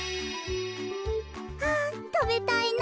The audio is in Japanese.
あたべたいな。